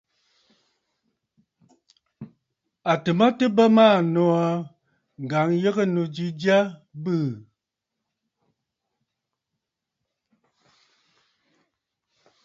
À tɨ̀ mə tɨ bə maa nòò aa, ŋ̀gǎŋyəgə̂nnù ji jya ɨ bɨɨ̀.